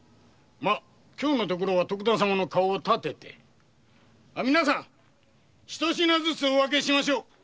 ま今日のところは徳田様の顔をたてて皆さんに一品ずつお分けしましょう。